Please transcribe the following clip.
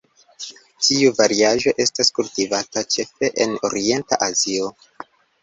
Tiu variaĵo estas kultivata ĉefe en Orienta Azio.